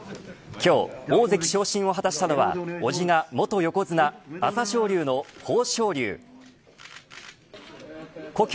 今日、大関昇進を果たしたのはおじが元横綱朝青龍の豊昇龍故郷